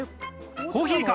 コーヒーか？